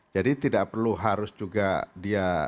jadi tidak perlu harus juga dia